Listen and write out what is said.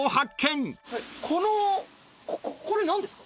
このこれ何ですか？